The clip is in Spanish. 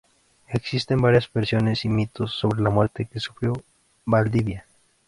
Existen varias versiones y mitos sobre la muerte que sufrió Valdivia.